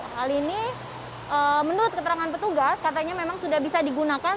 hal ini menurut keterangan petugas katanya memang sudah bisa digunakan